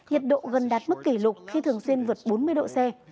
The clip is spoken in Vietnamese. nhiệt độ gần đạt mức kỷ lục khi thường xuyên vượt bốn mươi độ c